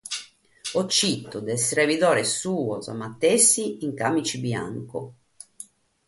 Ochidu dae sos serbidores suos matessi in càmitze biancu.